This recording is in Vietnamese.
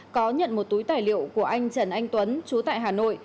có nhận một túi tài liệu của anh trần anh tuấn chú tại hà nội